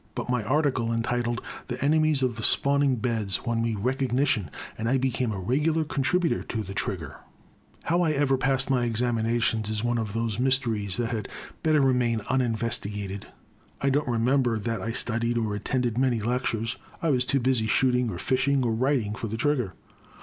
But my article entitled *' The Enemies of the Spawning Beds, won me recognition, and I became a reg^ar contributor to the Trigger, How I ever passed my examinations is one of those mysteries that had better remain uninvesti gated. I don't remember that I studied or at tended many lectures. I was too busy, shooting or fishing, or writing for the Trigger.